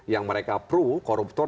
yang mereka pro koruptor